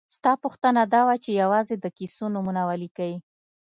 ستا پوښتنه دا وه چې یوازې د کیسو نومونه ولیکئ.